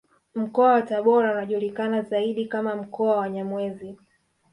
Mkoa wa Tabora unajulikana zaidi kama mkoa wa Wanyamwezi